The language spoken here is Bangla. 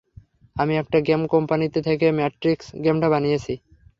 আমি একটা গেম কোম্পানিতে থেকে ম্যাট্রিক্স গেমটা বানিয়েছি।